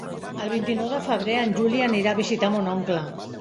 El vint-i-nou de febrer en Juli anirà a visitar mon oncle.